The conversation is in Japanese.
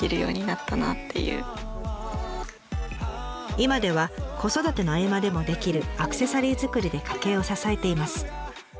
今では子育ての合間でもできるアクセサリー作りで家計を支えています。